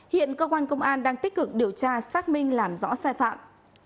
hiện cơ quan công an đang tích cực điều tra xác minh làm rõ sai phạm